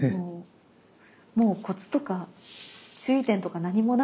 もうコツとか注意点とか何もないです。